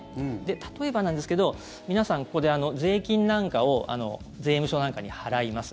例えばなんですけど皆さん、ここで税金なんかを税務署なんかに払います。